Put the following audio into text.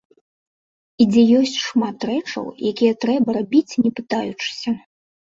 І дзе ёсць шмат рэчаў, якія трэба рабіць не пытаючыся.